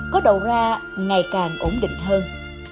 có đầu ra ngày càng ổn định hơn